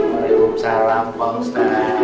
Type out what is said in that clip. waalaikumsalam pak ustadz